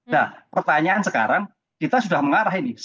nah pertanyaan sekarang kita sudah mengarah ini